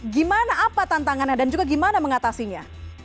gimana apa tantangannya dan juga gimana mengatasinya